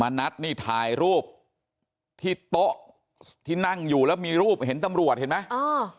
นัดนี่ถ่ายรูปที่โต๊ะที่นั่งอยู่แล้วมีรูปเห็นตำรวจเห็นไหมอ่า